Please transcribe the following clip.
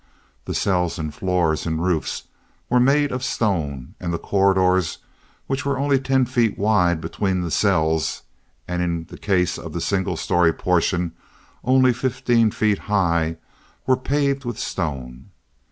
The cells and floors and roofs were made of stone, and the corridors, which were only ten feet wide between the cells, and in the case of the single story portion only fifteen feet high, were paved with stone.